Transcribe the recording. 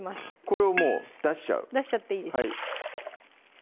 これをもう出しちゃう出しちゃっていいです